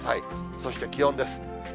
そして気温です。